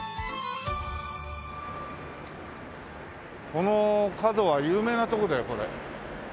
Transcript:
この角は有名なとこだよこれ。